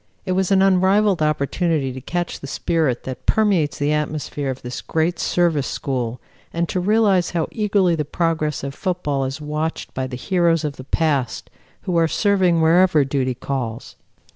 It was an unrivalled opportunity to catch the spirit that permeates the atmosphere of this great Service school and to realize how eagerly the progress of football is watched by the heroes of the past who are serving wherever duty calls.